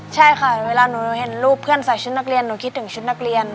ใช่ค่ะเวลาหนูเห็นรูปเพื่อนใส่ชุดนักเรียนหนูคิดถึงชุดนักเรียน